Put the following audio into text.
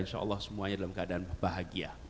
insya allah semuanya dalam keadaan bahagia